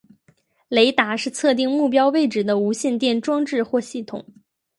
雷达是测定目标位置的无线电装置或系统。